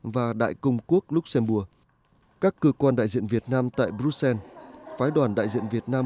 và đại công quốc luxembourg các cơ quan đại diện việt nam tại bruxelles phái đoàn đại diện việt nam